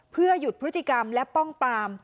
เพื่อหยุดพฤติกรรมและป้องปาม